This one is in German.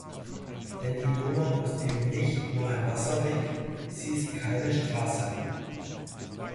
Denn die Donau ist eben nicht nur ein Wasserweg, sie ist keine Straße.